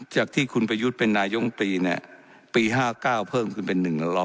จากที่คุณประยุทธ์เป็นนายมตรีปี๕๙เพิ่มขึ้นเป็น๑๐๐